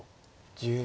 １０秒。